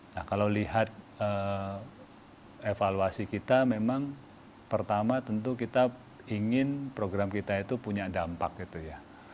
nah kalau lihat evaluasi kita memang pertama tentu kita ingin program kita itu punya dampak gitu ya